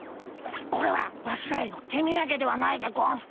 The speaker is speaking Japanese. これはワシらへの手みやげではないでゴンスか？